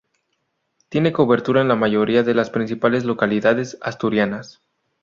Tiene cobertura en la mayoría de las principales localidades asturianas.